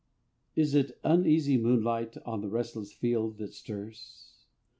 I. Is it uneasy moonlight, On the restless field, that stirs?